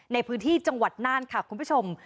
ในพื้นที่จังหวัดน่านค่ะคุณผู้ชม